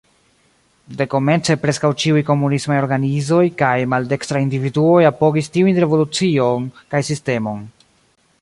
Dekomence preskaŭ ĉiuj komunismaj organizoj kaj maldekstraj individuoj apogis tiujn revolucion kaj sistemon.